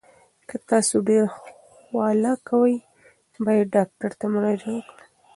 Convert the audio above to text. که تاسو ډیر خوله کوئ، باید ډاکټر ته مراجعه وکړئ.